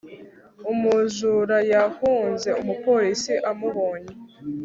Umujura yahunze umupolisi amubonye